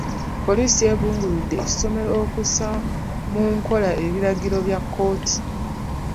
Poliisi yeebulunguludde essomero okussa mu nkola ebiragiro bya kkooti.